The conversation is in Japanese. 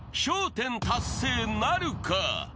１０達成なるか？］